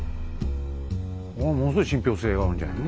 ものすごい信憑性があるんじゃないの？